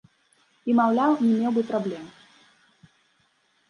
І, маўляў, не меў бы праблем.